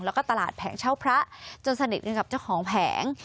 แล้วก็ตลาดแผงเช่าพระจนสนิทกันกับเจ้าของแผง